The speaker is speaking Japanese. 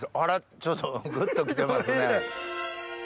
ちょっとぐっと来てますね。